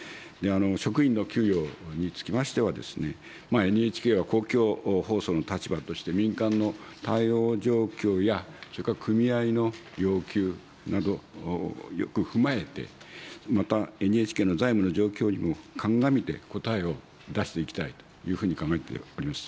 職員の給与につきましては、ＮＨＫは公共放送の立場として、民間の対応状況や、それから組合の要求など、よく踏まえて、また、ＮＨＫの財務の状況にも鑑みて答えを出していきたいというふうに考えております。